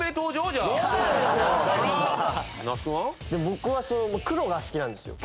僕は黒が好きなんですよ